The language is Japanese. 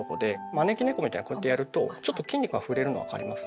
招き猫みたいにこうやってやるとちょっと筋肉が触れるの分かります？